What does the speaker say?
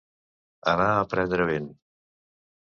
Anar a prendre vent.